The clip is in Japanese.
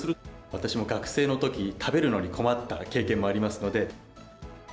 私も学生のとき、食べるのに困った経験もありますので。